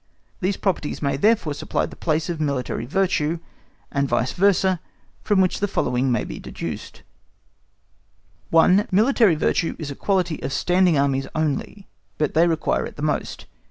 _ These properties may therefore supply the place of military virtue, and vice versa, from which the following may be deduced: 1. Military virtue is a quality of standing Armies only, but they require it the most.